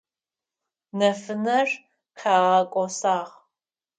Нэфынэр къагъэкIосагъ.